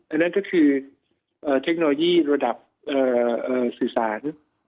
อันนั้นก็คือเทคโนโลยีระดับสื่อสาร